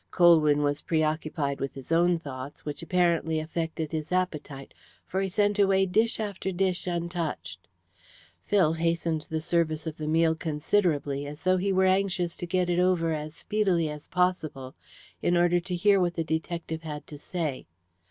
Colwyn was preoccupied with his own thoughts, which apparently affected his appetite, for he sent away dish after dish untouched. Phil hastened the service of the meal considerably, as though he were anxious to get it over as speedily as possible in order to hear what the detective had to say.